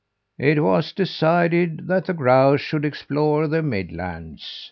"It was decided that the grouse should explore the midlands.